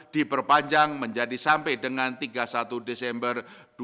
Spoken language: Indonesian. diperpanjang menjadi sampai dengan tiga puluh satu desember dua ribu dua puluh